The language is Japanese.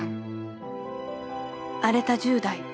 ［荒れた１０代］